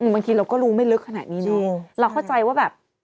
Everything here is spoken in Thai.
บางทีเราก็รู้ไม่ลึกขนาดนี้เนอะเราเข้าใจว่าแบบ